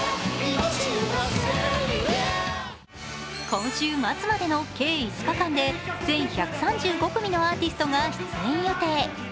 今週末までの計５日間で１３５組のアーティストが出演予定